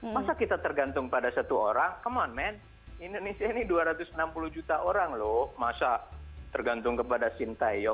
masa kita tergantung pada satu orang common man indonesia ini dua ratus enam puluh juta orang loh masa tergantung kepada sintayong